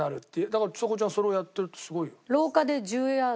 だからちさ子ちゃんそれをやってるってすごいよ。